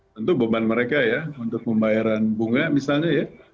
tentu beban mereka ya untuk pembayaran bunga misalnya ya